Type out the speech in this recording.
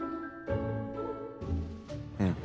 うん。